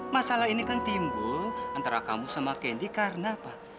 masalah ini kan timbul antara kamu sama kendi karena apa